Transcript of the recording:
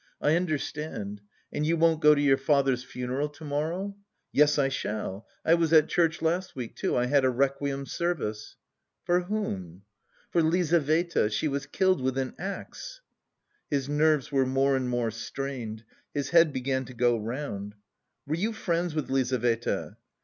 "I understand.... And you won't go to your father's funeral to morrow?" "Yes, I shall. I was at church last week, too... I had a requiem service." "For whom?" "For Lizaveta. She was killed with an axe." His nerves were more and more strained. His head began to go round. "Were you friends with Lizaveta?"